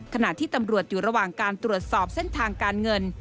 ขณะที่ตำรวจอยู่ระหว่างการตรวจสอบเส้นทางการเงิน